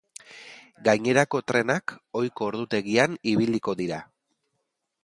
Gainerako trenak ohiko ordutegian ibiliko dira.